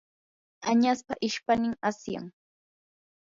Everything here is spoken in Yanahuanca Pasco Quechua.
añaspa ishpaynin asyan.